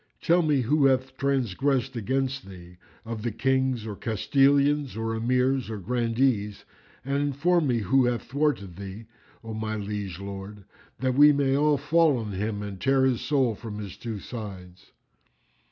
Tell me who hath transgressed against thee of the Kings or Castellans or Emirs or Grandees, and inform me who hath thwarted thee, O my liege lord, that we may all fall on him and tear his soul from his two sides."